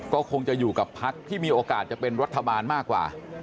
ก็คงจะอยู่กับพักที่มีโอกาสจะเป็นรัฐบาลมากกว่า